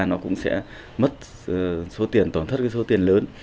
nó cũng sẽ mất số tiền tổn thất cái số tiền lớn